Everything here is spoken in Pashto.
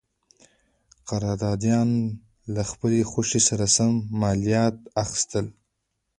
قراردادیانو له خپلې خوښې سره سم مالیات اخیستل.